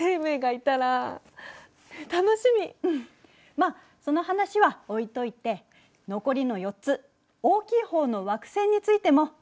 まあその話は置いといて残りの４つ大きい方の惑星についても見てみましょう。